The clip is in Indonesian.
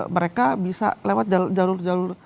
mereka bisa lewat jalur jalur